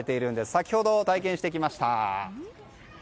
先ほど、体験してきました！